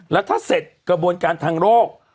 แล้วถ้าเสร็จกระบวนการทางโรค